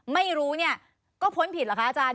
ไม่รู้เนี่ยก็พ้นผิดเหรอคะอาจารย์